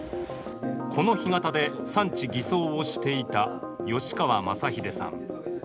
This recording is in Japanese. この干潟で産地偽装をしていた吉川昌秀さん。